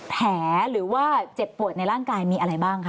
แผลหรือว่าเจ็บปวดในร่างกายมีอะไรบ้างคะ